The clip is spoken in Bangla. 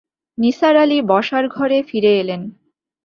নিসার আলি বসার ঘরে ফিরে এলেন।